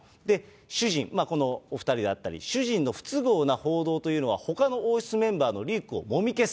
主人、このお２人であったり、主人の不都合な報道というのは、ほかの王室メンバーのリークをもみ消す。